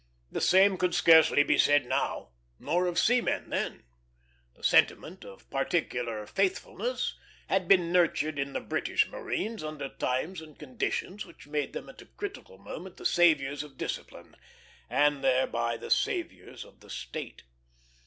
The same could scarcely be said now, nor of seamen then. The sentiment of particular faithfulness had been nurtured in the British marines under times and conditions which made them at a critical moment the saviors of discipline, and thereby the saviors of the state.